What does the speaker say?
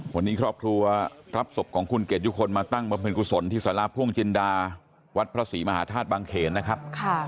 วันนี้ครอบครัวรับศพของคุณเกดยุคลมาตั้งบำเพ็ญกุศลที่สาราพ่วงจินดาวัดพระศรีมหาธาตุบางเขนนะครับ